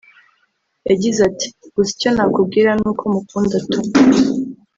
yagize ati ’Gusa icyo nakubwira ni uko mukunda tu